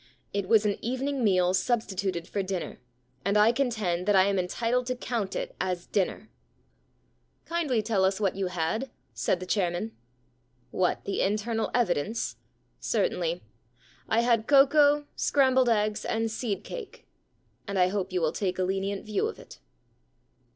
It was an evening meal substituted for dinner, and I contend that 1 am entitled to count it as dinner/ * Kindly tell us what you had,' said the chairman. * What ? The internal evidence ? Cer tainly. I had cocoa, scrambled eggs, and seed cake. And I hope you will take a lenient view of it.'